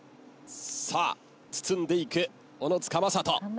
さあ包んでいく小野塚雅人。